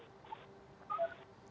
ya pak kejadian ini